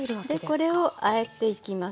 でこれをあえていきますね。